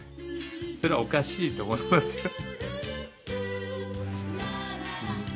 それはおかしいと思いますよね。